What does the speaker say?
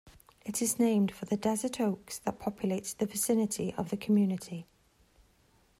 It is named for the desert oaks that populate the vicinity of the community.